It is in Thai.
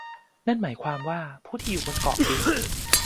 นั่นหมายความว่า ผู้ที่อยู่บนเกาะบิ๊ก